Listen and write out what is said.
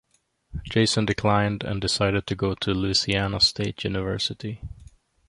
Jason declined and decided to go to Louisiana State University.